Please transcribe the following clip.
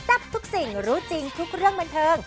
ทับทุกสิ่งรู้จริงทุกเรื่องบันเทิง